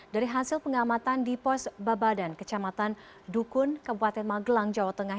dari hasil pengamatan di pos babadan kecamatan dukun kabupaten magelang jawa tengah